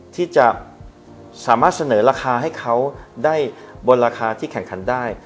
ที่จะสามารถเสนอราคาให้เขาได้บนราคาที่แข่งขันได้